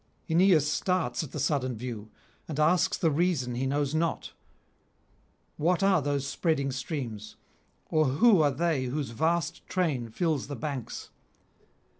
Aeneas starts at the sudden view, and asks the reason he knows not; what are those spreading streams, or who are they whose vast train fills the banks?